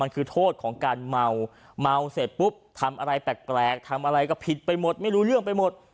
คือโทษของการเมาเมาเสร็จปุ๊บทำอะไรแปลกทำอะไรก็ผิดไปหมดไม่รู้เรื่องไปหมด